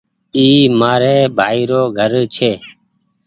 اي مآر ڀآئي گھرڇي۔